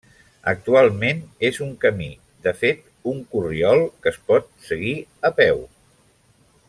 Actualment és un camí, de fet, un corriol, que es pot seguir a peu.